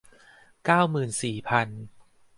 เก้าหมื่นสี่พัน